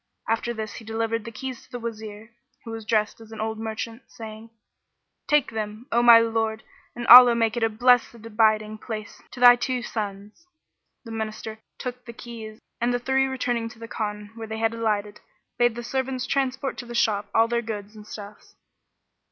After this he delivered the keys to the Wazir, who was dressed as an old merchant, saying, "Take them, O my lord, and Allah make it a blessed abiding place to thy two sons!" The Minister took the keys and the three returning to the Khan where they had alighted, bade the servants transport to the shop all their goods and stuffs.